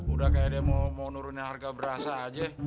udah kayak dia mau nurunin harga berasa aja